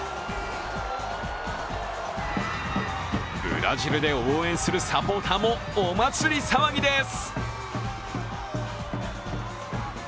ブラジルで応援するサポーターもお祭り騒ぎです。